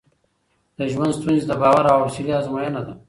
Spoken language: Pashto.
د ژوند ستونزې د باور او حوصله ازموینه ده.